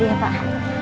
tidak ada apa apa